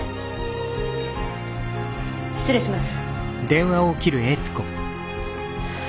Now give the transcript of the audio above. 失礼します。